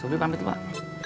subrima ambil tuh pak